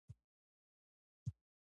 چې کوم سورتونه او کوم ايتونه مې ويلي دي.